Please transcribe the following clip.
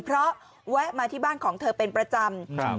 เพราะแวะมาที่บ้านของเธอเป็นประจำ